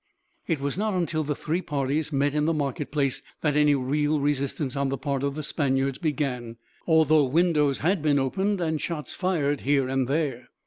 It was not until the three parties met in the marketplace that any real resistance on the part of the Spaniards began, although windows had been opened, and shots fired here and there.